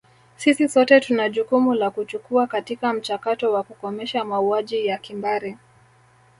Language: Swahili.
Sisi sote tuna jukumu la kuchukua katika mchakato wa kukomesha mauaji ya kimbari